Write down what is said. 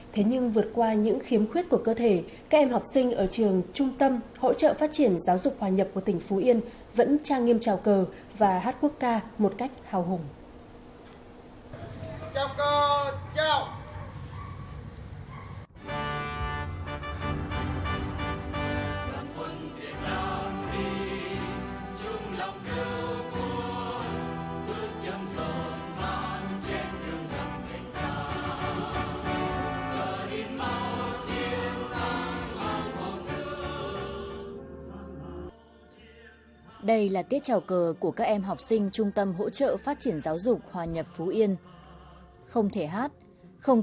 thế nhưng vượt qua những khiếm khuyết của cơ thể các em học sinh ở trường trung tâm hỗ trợ phát triển giáo dục hòa nhập của tỉnh phú yên vẫn trang nghiêm trào cờ và hát quốc ca một cách hào hùng